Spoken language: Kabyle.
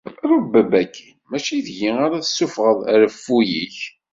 rebbeb akin, mačči deg-i ara d-tessufɣeḍ reffu-k.